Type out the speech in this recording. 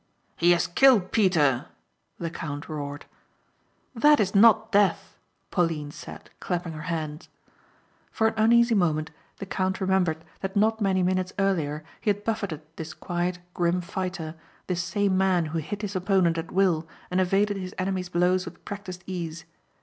"He has killed Peter!" the count roared. "That is not death," Pauline said clapping her hands. For an uneasy moment the count remembered that not many minutes earlier he had buffetted this quiet, grim fighter, this same man who hit his opponent at will and evaded his enemy's blows with practised ease.